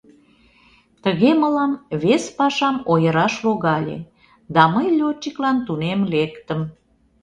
Тыге мылам вес пашам ойыраш логале, да мый лётчиклан тунем лектым.